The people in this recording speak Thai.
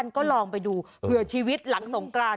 ก็ลองไปดูเผื่อชีวิตหลังสงกราน